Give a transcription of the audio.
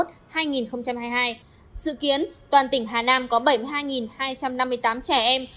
dự kiến toàn tỉnh hà nam có bảy mươi hai hai trăm năm mươi tám trẻ em